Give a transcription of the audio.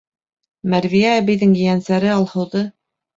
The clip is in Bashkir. — Мәрвиә әбейҙең ейәнсәре Алһыуҙы.